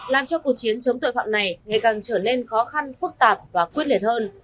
làm cho cuộc chiến chống tội phạm này ngày càng trở nên khó khăn phức tạp và quyết liệt hơn